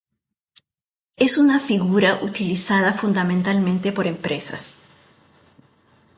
Es una figura utilizada fundamentalmente por empresas.